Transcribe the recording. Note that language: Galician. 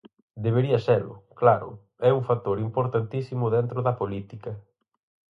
Debería selo, claro, é un factor importantísimo dentro da política.